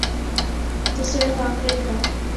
تو صرف آخرت کا۔